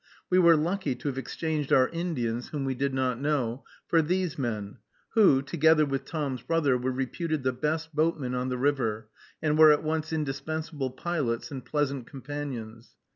We were lucky to have exchanged our Indians, whom we did not know, for these men, who, together with Tom's brother, were reputed the best boatmen on the river, and were at once indispensable pilots and pleasant companions.